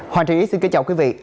hoàng trị xin kính chào quý vị